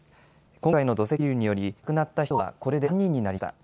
今回の土石流により亡くなった人はこれで３人になりました。